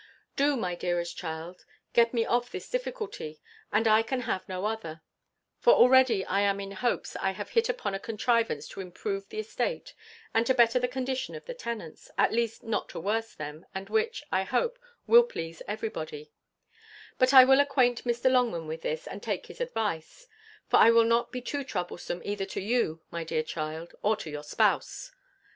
Do, my dearest child, get me off this difficulty, and I can have no other; for already I am in hopes I have hit upon a contrivance to improve the estate, and to better the condition of the tenants, at least not to worst them, and which, I hope, will please every body; but I will acquaint Mr. Longman with this, and take his advice; for I will not be too troublesome either to you, my dear child, or to your spouse.